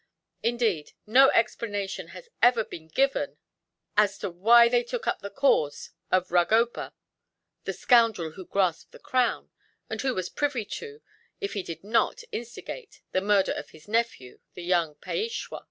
Indeed, no explanation has ever been given as to why they took up the cause of Rugoba, the scoundrel who grasped the crown; and who was privy to, if he did not instigate, the murder of his nephew, the young Peishwa.